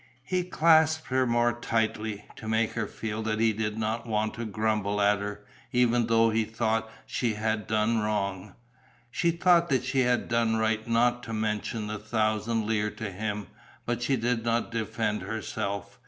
He clasped her more tightly, to make her feel that he did not want to grumble at her, even though he thought that she had done wrong. She thought that she had done right not to mention the thousand lire to him, but she did not defend herself.